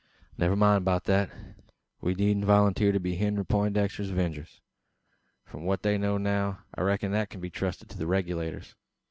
"Never mind beout that. We needn't volunteer to be Henry Peintdexter's 'vengers. From what they know now, I reck'n that kin be trusted to the Regulators."